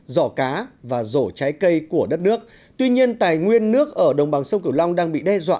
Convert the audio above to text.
dỏ cá và rổ trái cây của đất nước tuy nhiên tài nguyên nước ở đồng bằng sông cửu long đang bị đe dọa